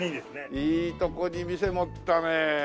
いいとこに店持ったね。